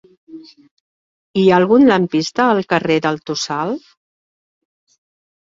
Hi ha algun lampista al carrer del Tossal?